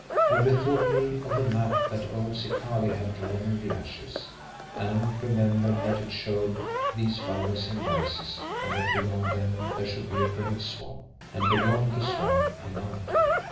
I bethought me of the map that old Zikali had drawn in the ashes, and remembered that it showed these valleys and rises and that beyond them there should be a great swamp, and beyond the swamp a mountain.